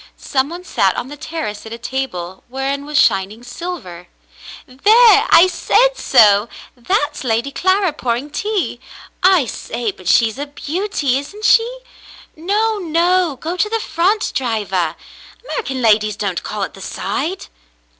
Some one sat on the terrace at a table whereon was shining silver. There, I said so ! That's Lady Clara pouring tea. {(I Cassandra at Queensderry 283 I say, but she's a beauty ! Isn't she ? No, no. Go to the front, driver. American ladies don't call at the side."